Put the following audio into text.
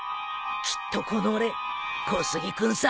きっとこの俺小杉君さ